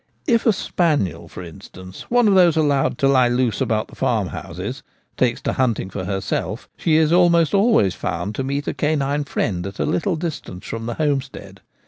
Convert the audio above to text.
If a spaniel, for instance, one of those allowed to lie loose about farmhouses, takes to hunting for her self, she is almost always found to meet a canine friend at a little distance from the homestead.